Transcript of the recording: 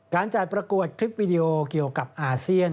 การจัดประกวดคลิปวิดีโอเกี่ยวกับอาเซียน